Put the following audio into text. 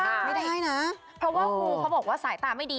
เพราะว่างูเขาบอกว่าสายตาไม่ดี